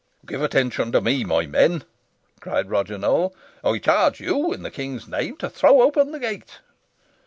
"Give attention to me, my men," cried Roger Nowell. "I charge you in the King's name to throw open the gate."